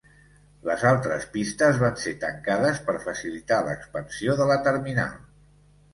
Les altres pistes van ser tancades per facilitar l'expansió de la terminal.